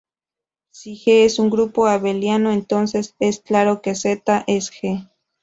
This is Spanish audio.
Si "G" es un grupo abeliano entonces es claro que "Z" es "G".